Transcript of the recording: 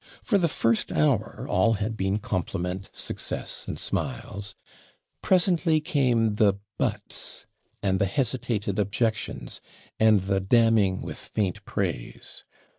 For the first hour all had been compliment, success, and smiles; presently came the BUTS, and the hesitated objections, and the 'damning with faint praise.'